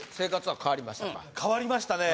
変わりましたね